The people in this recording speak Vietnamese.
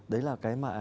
đấy là cái mà